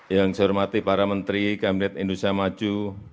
yang saya hormati para menteri kabinet indonesia maju